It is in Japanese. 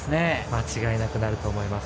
間違いなくなると思います。